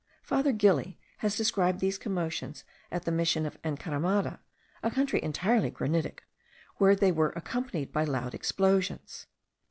Father Gili has described these commotions at the Mission of Encaramada, a country entirely granitic, where they were accompanied by loud explosions.